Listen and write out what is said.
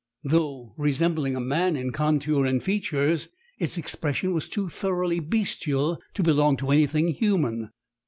"Though resembling a man in contour and features, its expression was too thoroughly bestial to belong to anything human.